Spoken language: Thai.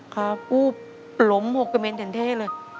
ครับกูปลมหกเกมนเฉียนเทศเลย